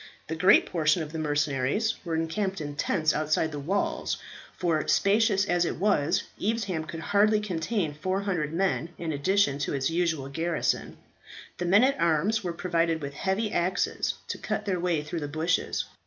The great portion of the mercenaries were encamped in tents outside the walls, for, spacious as it was, Evesham could hardly contain 400 men in addition to its usual garrison. The men at arms were provided with heavy axes to cut their way through the bushes.